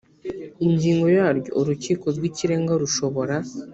ingingo yaryo urukiko rw ikirenga rushobora